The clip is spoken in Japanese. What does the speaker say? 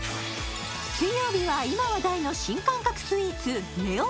水曜日は今話題の新感覚スイーツネオ